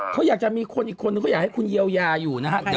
เขาอยากจะมีคนอีกคนนึงเขาอยากให้คุณเยียวยาอยู่นะฮะ